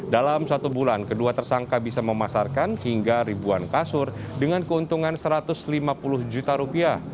dalam satu bulan kedua tersangka bisa memasarkan hingga ribuan kasur dengan keuntungan satu ratus lima puluh juta rupiah